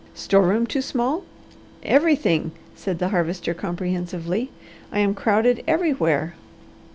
"Store room too small?" "Everything!" said the Harvester comprehensively. "I am crowded everywhere."